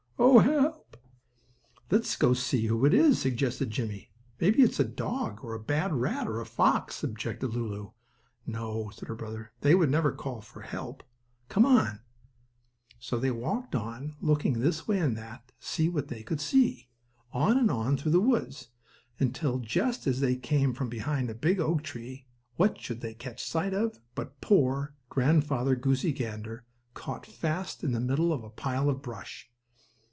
Oh, help!" "Let's go and see who it is," suggested Jimmie. "Maybe it's a dog, or a bad rat, or a fox," objected Lulu. "No," said her brother, "they would never call for help. Come on." So they walked on, looking this way and that, to see what they could see; on and on through the woods, until, just as they came from behind a big oak tree, what should they catch sight of, but poor, Grandfather Goosey Gander, caught fast in the middle of a pile of brush.